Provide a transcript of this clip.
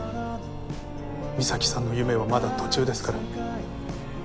美咲さんの夢はまだ途中ですから。